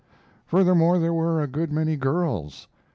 Furthermore, there were a good many girls.